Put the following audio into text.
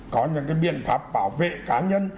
có những biện pháp bảo vệ cá nhân